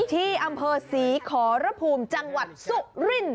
ที่อำเภอศรีขอระภูมิจังหวัดสุรินทร์